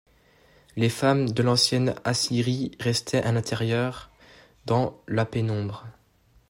Les femmes de l'ancienne Assyrie restaient à l'intérieur, dans la pénombre.